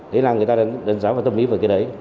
thế là người ta đánh giá và tâm ý về cái đấy